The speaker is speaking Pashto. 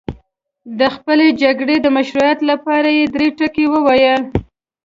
د خپلې جګړې د مشروعیت لپاره یې درې ټکي وویل.